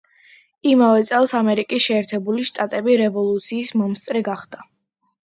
იმავე წელს ამერიკის შეერთებული შტატები რევოლუციის მომსწრე გახდა.